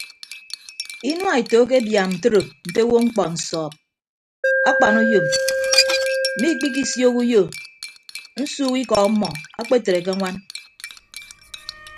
Inua eto akebiaam ntoro nte owo mkpọ nsọp akpanuyom mmikpisiooho uyo nsuuk ikọ ọmọ akpetre ke añwan.